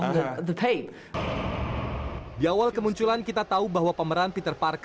jadi anda tertanya tanya apakah itu spider man